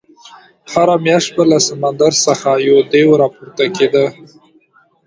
هره میاشت به له سمندر څخه یو دېو راپورته کېدی.